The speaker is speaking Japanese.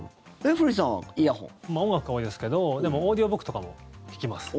音楽が多いですけどでもオーディオブックとかも聞きます。